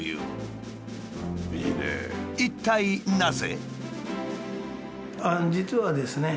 一体なぜ？